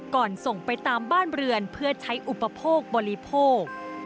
ส่งไปตามบ้านเรือนเพื่อใช้อุปโภคบริโภค